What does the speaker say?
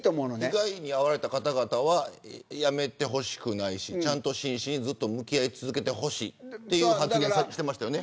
被害に遭われた方々は辞めてほしくないし真摯に向き合い続けてほしいという発言をしていましたよね。